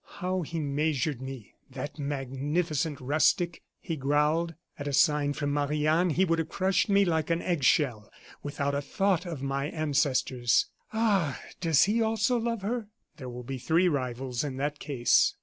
"How he measured me, that magnificent rustic!" he growled. "At a sign from Marie Anne he would have crushed me like an eggshell, without a thought of my ancestors. Ah! does he also love her? There will be three rivals in that case."